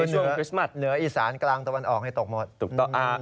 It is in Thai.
เหลืออิสานะกลางตะวันออกได้ตกหมด